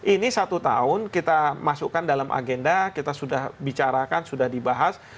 ini satu tahun kita masukkan dalam agenda kita sudah bicarakan sudah dibahas